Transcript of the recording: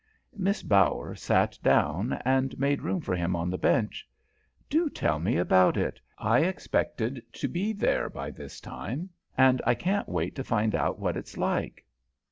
Miss Bower sat down and made room for him on the bench. "Do tell me about it. I expected to be there by this time, and I can't wait to find out what it's like."